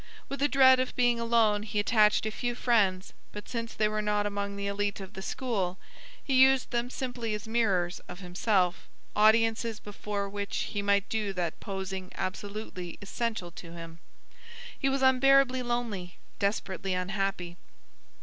With a dread of being alone he attached a few friends, but since they were not among the elite of the school, he used them simply as mirrors of himself, audiences before which he might do that posing absolutely essential to him. He was unbearably lonely, desperately unhappy.